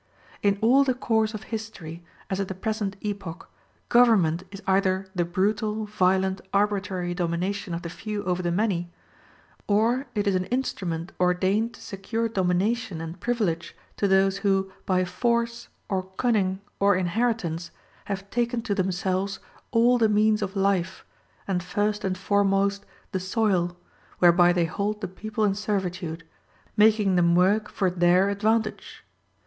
In all the course of history, as at the present epoch, government is either the brutal, violent, arbitrary domination of the few over the many, or it is an instrument ordained to secure domination and privilege to those who, by force, or cunning, or inheritance, have taken to themselves all the means of life, and first and foremost the soil, whereby they hold the people in servitude, making them work for their advantage.